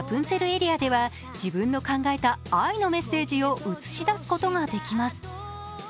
エリアでは自分の考えた愛のメッセージを映し出すことができます。